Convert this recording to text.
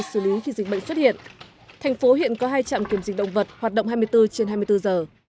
xử lý khi dịch bệnh xuất hiện thành phố hiện có hai trạm kiểm dịch động vật hoạt động hai mươi bốn trên hai mươi bốn giờ